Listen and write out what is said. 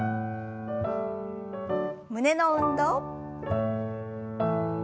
胸の運動。